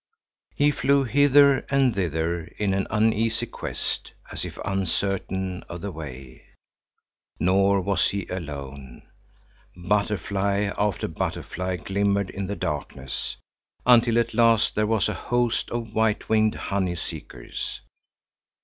He flew hither and thither in an uneasy quest, as if uncertain of the way. Nor was he alone; butterfly after butterfly glimmered in the darkness, until at last there was a host of white winged honey seekers.